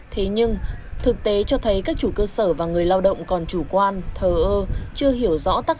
thế nhưng thực tế cho thấy các chủ cơ sở và người lao động còn chủ quan thờ ơ